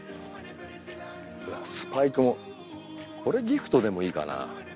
うわスパイクもこれギフトでもいいかな。